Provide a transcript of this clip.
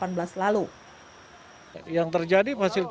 masyarakat desa ini tidak bisa berhenti